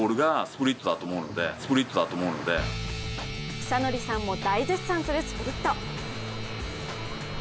尚成さんも大絶賛するスプリット。